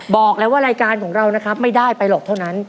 บอกเลยว่ารายการของเราไม่ได้ไปหรอกเท่านั้น